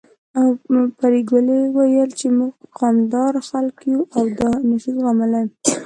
پري ګلې ويل چې موږ قامداره خلک يو او دا نه شو زغملی